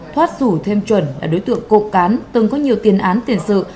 thoát rủ thêm chuẩn là đối tượng cộng cán từng có nhiều tiền án tiền sự